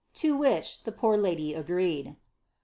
to which the poor lady agreed.